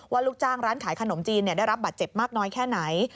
ลูกจ้างร้านขายขนมจีนได้รับบาดเจ็บมากน้อยแค่ไหน